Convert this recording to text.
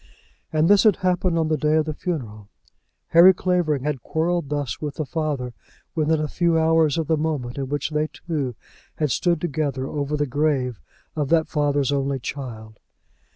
And this had happened on the day of the funeral! Harry Clavering had quarrelled thus with the father within a few hours of the moment in which they two had stood together over the grave of that father's only child!